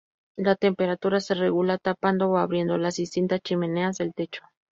La temperatura se regula tapando o abriendo las distintas "chimeneas" del techo.